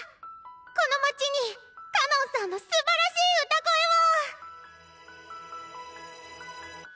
この街にかのんさんのすばらしい歌声を！